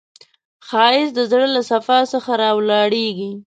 ښایست د زړه له صفا څخه راولاړیږي